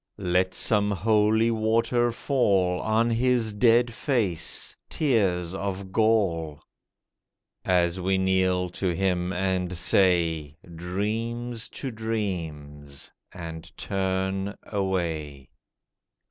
Let some holy water fall On his dead face, tears of gall— As we kneel to him and say, "Dreams to dreams," and turn away.